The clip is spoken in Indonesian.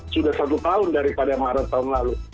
sudah satu tahun daripada maret tahun lalu